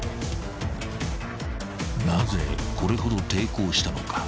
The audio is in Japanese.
［なぜこれほど抵抗したのか］